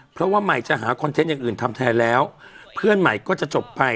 เพราะว่าใหม่จะหาคอนเทนต์อย่างอื่นทำแทนแล้วเพื่อนใหม่ก็จะจบไป